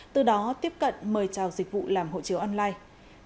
từ đó tiếp cận mời trào dịch vụ làm hộ chiếu online